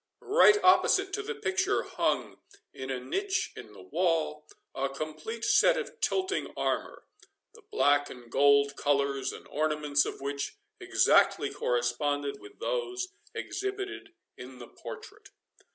Right opposite to the picture, hung, in a niche in the wall, a complete set of tilting armour, the black and gold colours, and ornaments of which exactly corresponded with those exhibited in the portrait.